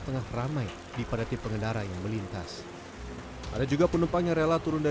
tengah ramai dipadati pengendara yang melintas ada juga penumpang yang rela turun dan